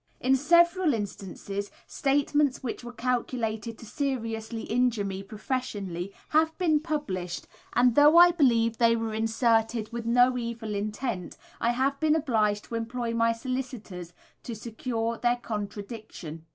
In several instances statements which were calculated to seriously injure me professionally have been published; and though I believe they were inserted with no evil intent, I have been obliged to employ my solicitors to secure their contradiction.